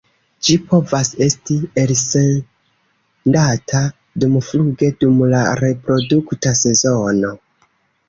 Ĝi povas esti elsendata dumfluge dum la reprodukta sezono.